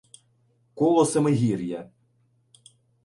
Коло Семигір'я